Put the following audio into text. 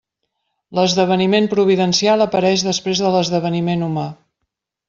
L'esdeveniment providencial apareix després de l'esdeveniment humà.